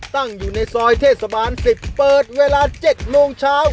ตั้งอยู่ในซอยเทศบาล๑๐เปิดเวลา๗โมงเช้า